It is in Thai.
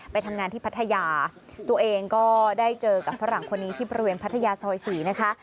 ไปทำงานที่พัทยาตัวเองก็ได้เจอกับฝรั่งคนนี้ที่บริเวณพัทยาซอย๔นะคะ